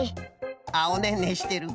あっおねんねしてる。